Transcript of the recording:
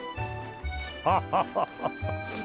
ハハハハハ。